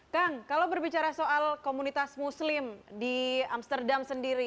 kang kalau berbicara soal komunitas muslim di amsterdam sendiri